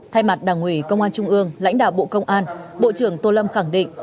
thay mặt đảng ủy công an trung ương lãnh đạo bộ công an bộ trưởng tô lâm khẳng định